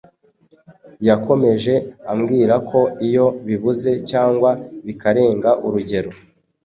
Yakomeje ambwira ko iyo bibuze cyangwa bikarenga urugero,